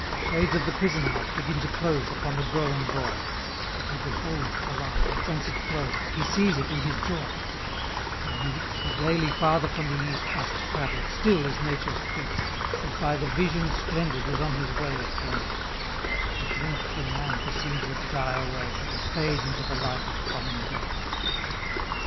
Shades of the prison house begin to close Upon the growing Boy, But he beholds the light, and whence it flows, 70 He sees it in his joy; The Youth, who daily farther from the east Must travel, still is Nature's priest, And by the vision splendid Is on his way attended; 75 At length the Man perceives it die away, And fade into the light of common day.